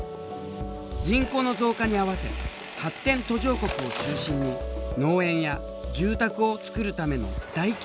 人口の増加に合わせ発展途上国を中心に農園や住宅を造るための大規模な開発が進行。